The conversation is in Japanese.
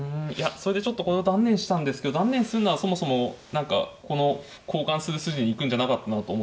それでちょっとこれを断念したんですけど断念するならそもそも何かこの交換する筋に行くんじゃなかったなと思って。